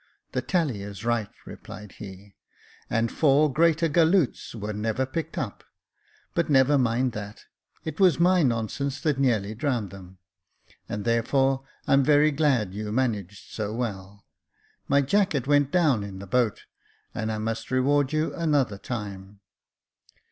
" The tally is right," replied he, " and four greater galloots were never picked up ; but never mind that. It was my nonsense that nearly drowned them ; and, there fore, I'm very glad you've managed so well. My jacket went down in the boat, and I must reward you another time."